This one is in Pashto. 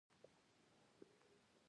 پېژندګلوي مو ورسره وکړه.